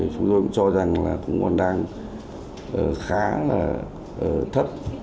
chúng tôi cũng cho rằng là cũng còn đang khá là thấp